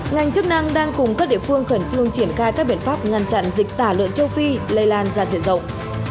ngành chức năng đang cùng các địa phương khẩn trương triển khai các biện pháp ngăn chặn dịch tả lợn châu phi lây lan ra diện rộng